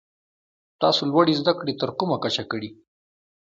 تاسو لوړي زده کړي تر کومه کچه کړي ؟